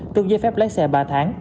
tương dây phép lái xe ba tháng